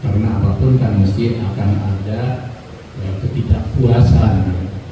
karena apapun kan mesti akan ada ketidakpuasan